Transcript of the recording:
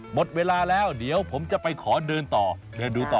หมดเวลาแล้วเดี๋ยวผมจะไปขอเดินดูต่อ